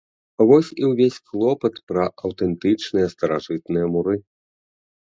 Вось і ўвесь клопат пра аўтэнтычныя старажытныя муры.